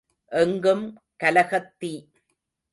எங்கும் கலகத் தீ.